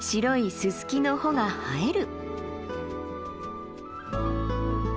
ススキの穂が映える。